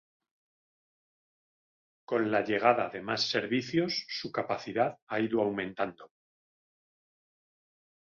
Con la llegada de más servicios, su capacidad ha ido aumentando.